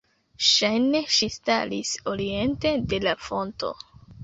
Ŝajne ŝi staris oriente de la fonto.